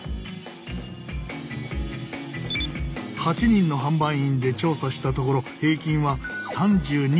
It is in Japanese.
８人の販売員で調査したところ平均は３２．２℃。